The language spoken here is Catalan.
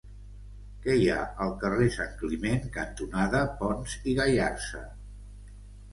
Què hi ha al carrer Santcliment cantonada Pons i Gallarza?